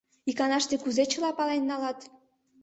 — Иканаште кузе чыла пален налат?..